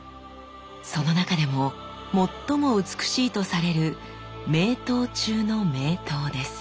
その中でも最も美しいとされる名刀中の名刀です。